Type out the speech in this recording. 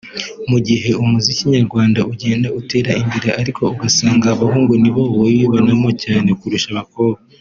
Mu gihe umuziki nyarwanda ugenda utera imbere ariko ugasanga abahungu ni bo bawibonamo cyane kurusha abakobwa